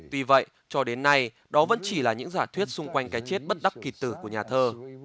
tuy vậy cho đến nay đó vẫn chỉ là những giả thuyết xung quanh cái chết bất đắc kì tử của nhà thơ